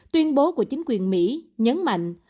tuyên bố của chính quyền mỹ nhấn mạnh